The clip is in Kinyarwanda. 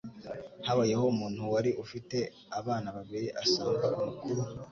Habayeho umuntu wari ufite abana babiri; asanga umukuru,